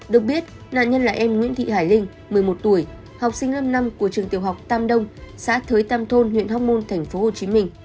được biết nạn nhân là em nguyễn thị hải linh một mươi một tuổi học sinh lớp năm của trường tiểu học tam đông xã thới tam thôn huyện hóc môn thành phố hồ chí minh